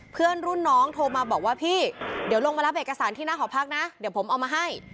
เพื่อนรุ่นน้องโทรมาบอกว่าพี่เดี๋ยวลงมารับเอกสารที่หน้าหอพักนะเดี๋ยวผมเอามาให้